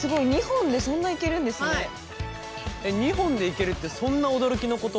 すごい２本でいけるってそんな驚きのこと？